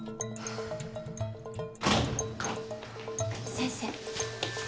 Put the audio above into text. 先生。